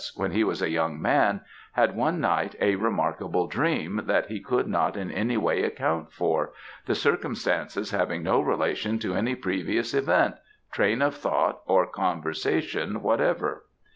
when he was a young man, had one night a remarkable dream, that he could not in any way account for the circumstances having no relation to any previous event, train of thought, or conversation whatever.